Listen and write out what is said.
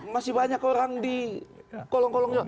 masih banyak orang di kolong kolong